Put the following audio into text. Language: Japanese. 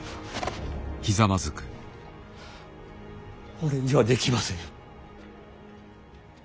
俺にはできません。